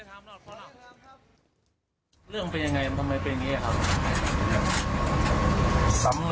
อันโค้ดที่มันทำวันโรงพยาบาลต้องเกี่ยวจานมัน